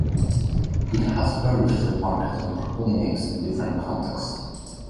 It has various trademarked and proprietary names in different contexts.